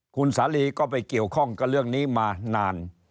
คุณสาลีก็ไปเกี่ยวข้องกับเรื่องนี้มานาน